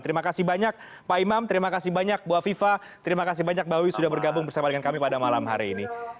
terima kasih banyak pak imam terima kasih banyak bu afifah terima kasih banyak mbak wiwi sudah bergabung bersama dengan kami pada malam hari ini